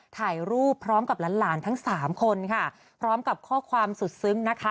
ถ่ายรูปพร้อมกับหลานหลานทั้งสามคนค่ะพร้อมกับข้อความสุดซึ้งนะคะ